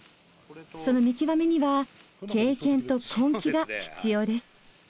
その見極めには経験と根気が必要です。